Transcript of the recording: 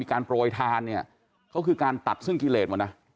การโปรยทานเนี่ยเขาคือการตัดซึ่งกิเลสหมดนะ